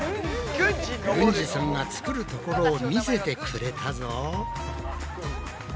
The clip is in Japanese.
軍司さんが作るところを見せてくれたぞ。